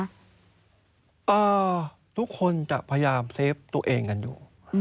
ทุกคนจะพยายามเซฟตัวเองกันอยู่